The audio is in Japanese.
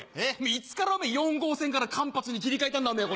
いつから４号線から環八に切り替えたんだおめぇ